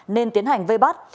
nên tiến hành vây bắt